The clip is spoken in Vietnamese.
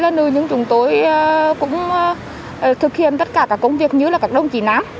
chúng tôi là nữ nhưng chúng tôi cũng thực hiện tất cả các công việc như là các đồng chí nam